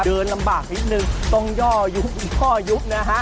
เดินลำบากนิดนึงต้องย่อยุบย่อยุบนะฮะ